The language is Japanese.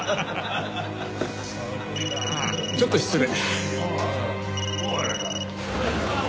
ちょっと失礼。